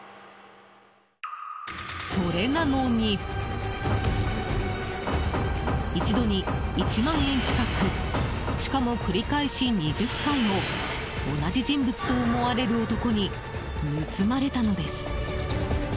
それなのに、一度に１万円近くしかも繰り返し２０回も同じ人物と思われる男に盗まれたのです。